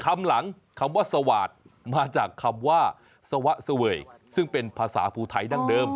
มาจากคำว่าสวสเวยซึ่งเป็นภาษาภูไทยดั้งเดิม